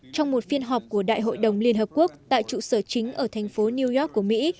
trong một phiên họp của đại hội đồng liên hợp quốc tại trụ sở chính ở thành phố new york của mỹ